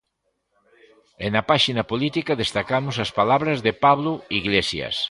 E na páxina política destacamos as palabras de Pablo Iglesias.